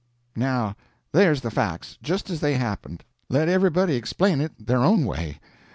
Now there's the facts, just as they happened: let everybody explain it their own way.